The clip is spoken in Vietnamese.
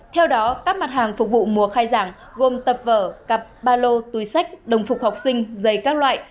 theo đó các mặt hàng phục vụ mùa khai giảng gồm tập vở cặp ba lô túi sách đồng phục học sinh giày các loại